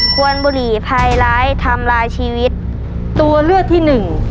ควรบุหรี่ภัยร้ายทำร้ายชีวิตตัวเลือกที่หนึ่ง